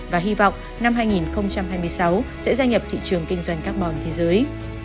và hy vọng năm hai nghìn hai mươi sáu sẽ gia nhập thị trường kinh doanh carbon thế giới